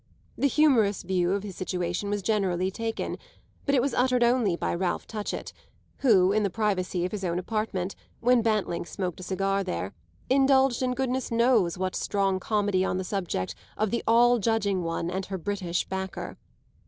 The humorous view of his situation was generally taken, but it was uttered only by Ralph Touchett, who, in the privacy of his own apartment, when Bantling smoked a cigar there, indulged in goodness knew what strong comedy on the subject of the all judging one and her British backer.